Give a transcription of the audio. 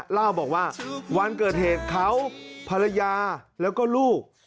เล่าบอกว่าวันเกิดเหตุเขาภรรยาแล้วก็ลูก